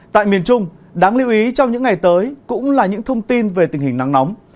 tại miền trung đáng lưu ý trong những ngày tới cũng là những thông tin về tình hình nắng nóng